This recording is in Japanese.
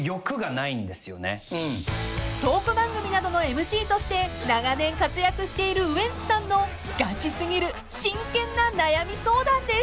［トーク番組などのＭＣとして長年活躍しているウエンツさんのガチすぎる真剣な悩み相談です］